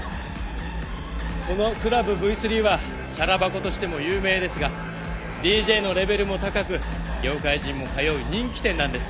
このクラブＶ３はチャラ箱としても有名ですがＤＪのレベルも高く業界人も通う人気店なんです。